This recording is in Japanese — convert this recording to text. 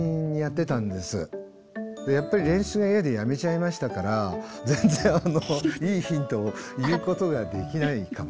やっぱり練習が嫌でやめちゃいましたから全然いいヒントを言うことができないかもしれない。